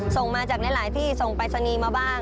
ส่งมาจากหลายที่ส่งปรายศนีย์มาบ้าง